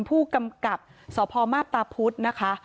ผู้กำกับสพมาพตาพุธนะคะ